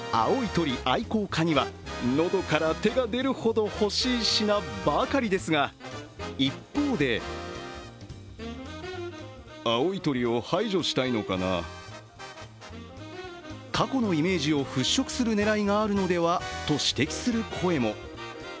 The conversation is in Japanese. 青い鳥愛好家には喉から手が出るほど欲しい品ばかりですが、一方で過去のイメージを払拭する狙いがあるのではと指摘する声も。